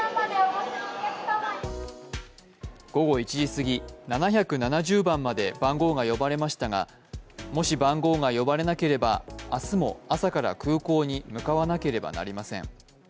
午後１時すぎ、７７０番まで番号が呼ばれましたがもし、番号が呼ばれなければ明日も朝から空港に向かわなければなりません。